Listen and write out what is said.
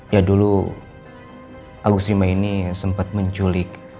ya dulu agus rimba ini sempat menculik